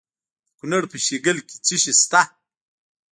د کونړ په شیګل کې څه شی شته؟